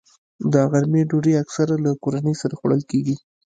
د غرمې ډوډۍ اکثره له کورنۍ سره خوړل کېږي